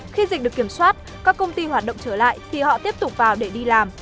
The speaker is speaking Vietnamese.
khi dịch được kiểm soát các công ty hoạt động trở lại thì họ tiếp tục vào để đi làm